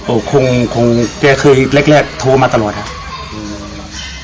โอ้คงแกเคยแรกโทรมาตลอดครับ